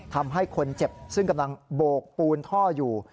ทำให้คนเจ็บซึ่งกำลังโบกปูนท่ออยู่